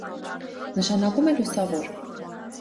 Նշանակում է «լուսավոր»։